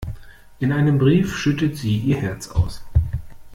In einem Brief schüttet sie ihr Herz aus.